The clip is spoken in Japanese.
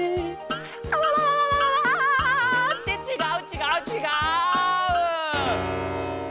「あわわわ」。ってちがうちがうちがう！